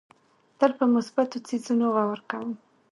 تل په مثبتو څیزونو غور کوم.